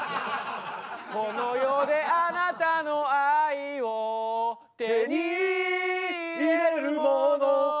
「この世であなたの愛を」「手に入れるもの」